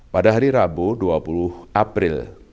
pada hari rabu dua puluh april